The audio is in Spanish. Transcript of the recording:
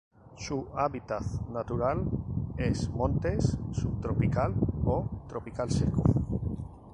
Su hábitat natural es montes subtropical o tropical seco.